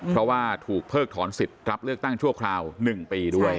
เพราะว่าถูกเพิกถอนสิทธิ์รับเลือกตั้งชั่วคราว๑ปีด้วย